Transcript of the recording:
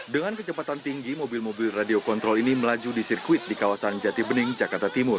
dengan kecepatan tinggi mobil mobil radio kontrol ini melaju di sirkuit di kawasan jati bening jakarta timur